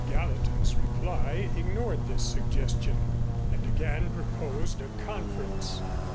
Gallatin's reply ignored this suggestion, and again proposed a conference.